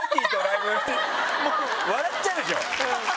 笑っちゃうでしょ？